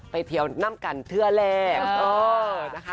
ไปเทียวนั่มกันเทือแหลก